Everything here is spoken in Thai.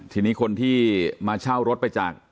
ทีนี้คนที่มาเช่ารถไปจาก